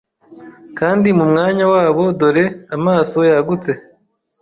kandi mu mwanya wabo dore amaso yagutse